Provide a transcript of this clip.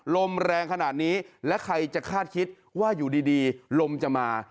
ลมแรงขนาดนี้และใครจะคาดคิดว่าอยู่ดีลมจะมา